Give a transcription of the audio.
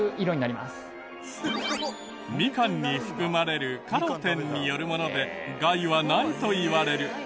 ミカンに含まれるカロテンによるもので害はないといわれる。